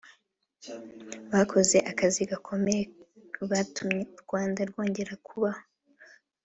bakoze akazi gakomeye batumye u Rwanda rwongera kubaho